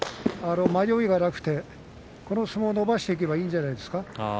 迷いがなくてこの相撲を伸ばしていけばいいんじゃないですか？